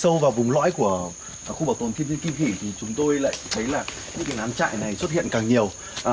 khi chúng tôi vào vùng lõi của khu bảo tồn thiên nhiên kim hỷ thì chúng tôi lại thấy là những cái nám trại này xuất hiện càng nhiều